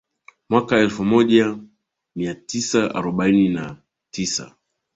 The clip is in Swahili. Mwaka wa elfu moja mia tisa arobaini na tisa